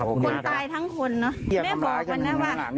ขอบคุณทำคนตายทั้งคนน่ะไอพี่แม่บอกมาหนาว่าตั้งแต่